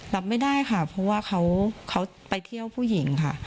รับไม่ได้ค่ะเพราะว่าเขาไปเที่ยวผู้หญิงค่ะ